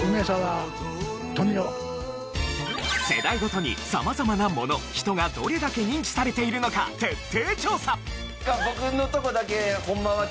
世代ごとに様々なもの人がどれだけ認知されているのか徹底調査。